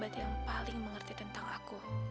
berarti yang paling mengerti tentang aku